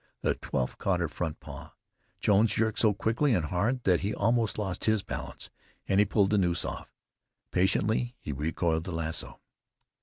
The twelfth caught her front paw. Jones jerked so quickly and hard that he almost lost his balance, and he pulled the noose off. Patiently he recoiled the lasso.